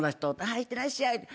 いってらっしゃい。